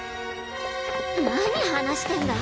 何話してんだ？